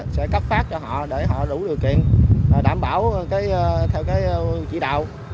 sẽ cấp phát cho họ để họ đủ điều kiện đảm bảo theo cái chỉ đạo